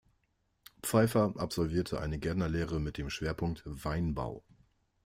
Pfeiffer absolvierte eine Gärtnerlehre mit dem Schwerpunkt Weinbau.